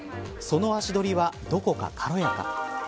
その足取りはどこか軽やか。